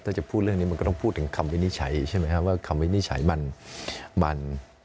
ถ้าจะพูดเรื่องนี้มันก็ต้องพูดถึงคำวินิจฉัยใช่ไหมครับว่าคำวินิจฉัยมัน